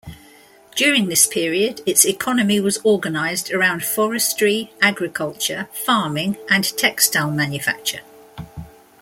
During this period, its economy was organised around forestry, agriculture, farming and textile manufacture.